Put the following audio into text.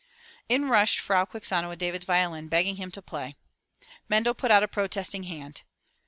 In rushed Frau Quixano with David*s violin, begging him to play. Mendel put out a protesting hand.